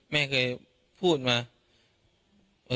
แม่เคยพูดมา